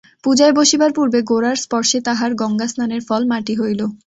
পূজায় বসিবার পূর্বে গোরার স্পর্শে তাঁহার গঙ্গাস্নানের ফল মাটি হইল।